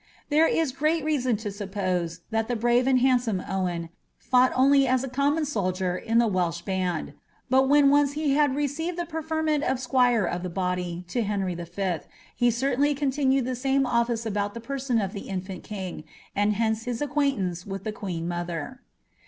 There is great reason to suppose, that tha bniv« and hsiidsonie Owen fought only as a comniun soldier in the Walsh band. But when once he had received the preferment uf Mjuira of the body to Henry V., he certainly continued the same olfiee about lh« person of the infant king, and hence his acquaintance with tha qnaen m other.